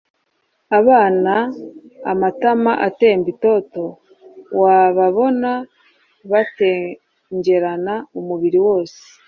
Abana amatama atemba itoto wababona batengerana umubiri wose